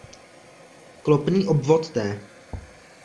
Klopný obvod té